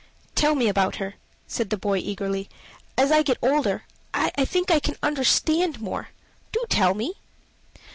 "Tell me about her," said the boy eagerly. "As I get older I think I can understand more. Do tell me."